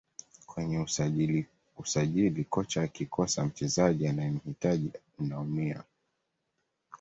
kwenye usajili kocha akikosa mchezaji unayemhitaji unaumia